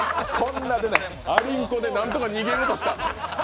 アリンコでなんとか逃げようとした。